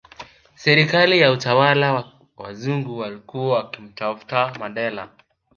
Serikali ya utawala wa wazungu walikuwa wakimtafuta Mandela